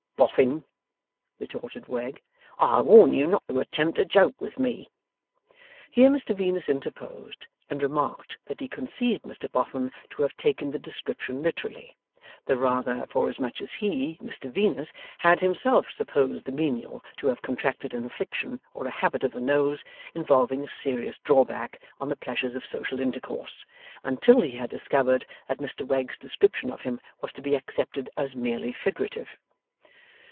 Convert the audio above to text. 'Boffin!' retorted Wegg, 'I warn you not to attempt a joke with me!' Here Mr Venus interposed, and remarked that he conceived Mr Boffin to have taken the description literally; the rather, forasmuch as he, Mr Venus, had himself supposed the menial to have contracted an affliction or a habit of the nose, involving a serious drawback on the pleasures of social intercourse, until he had discovered that Mr Wegg's description of him was to be accepted as merely figurative.